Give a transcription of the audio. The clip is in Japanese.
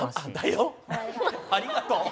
ありがとう。